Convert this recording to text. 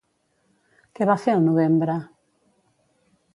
Què va fer al novembre?